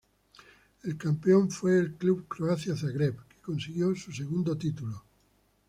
El campeón fue el club Croacia Zagreb que consiguió su segundo título.